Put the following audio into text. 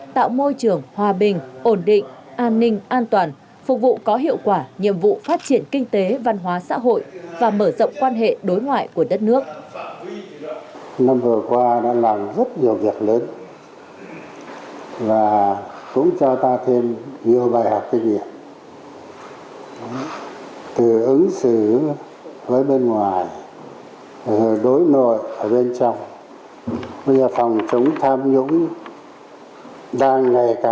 tạo môi trường hòa bình ổn định an ninh an toàn phục vụ có hiệu quả nhiệm vụ phát triển kinh tế văn hóa xã hội và mở rộng quan hệ đối ngoại của đất nước